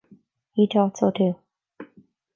He thought so too.